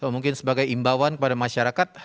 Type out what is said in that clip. mungkin sebagai imbauan kepada masyarakat